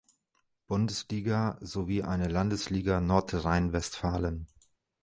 Bundesliga, sowie eine Landesliga Nordrhein-Westfalen.